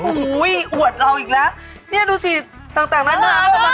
อุ๊ยอวดเราอีกแล้วนี่ดูสิต่างหน้ามา